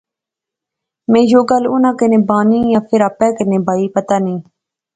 میں یو گل انیں کنے بائی یا فیر آپے کنے بائی، پتہ نی